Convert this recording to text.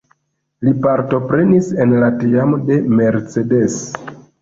Li partoprenis en la teamo de Mercedes.